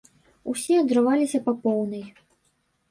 Усе адрываліся па поўнай.